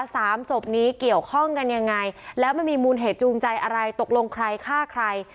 สามศพนี้เกี่ยวข้องกันยังไงแล้วมันมีมูลเหตุจูงใจอะไรตกลงใครฆ่าใคร